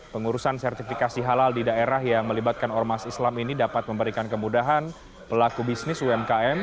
pengurusan sertifikasi halal di daerah yang melibatkan ormas islam ini dapat memberikan kemudahan pelaku bisnis umkm